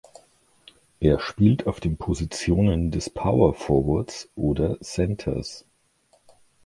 Er spielt auf den Positionen des Power Forwards oder Centers.